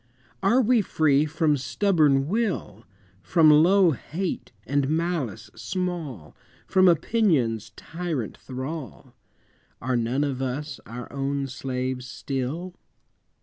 Are we free from stubborn will, From low hate and malice small, From opinion's tyrant thrall? Are none of us our own slaves still?